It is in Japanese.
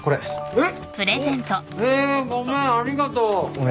えっ！